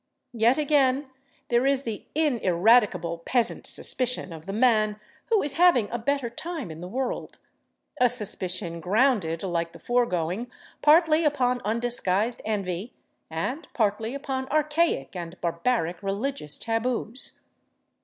Yet again, there is the ineradicable peasant suspicion of the man who is having a better time in the world—a suspicion grounded, like the foregoing, partly upon undisguised envy and partly upon archaic and barbaric religious taboos.